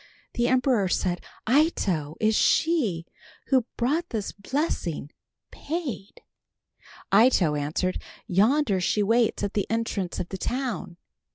The emperor said, "Ito, is she, who brought this blessing, paid?" Ito answered, "Yonder she waits at the entrance of the town."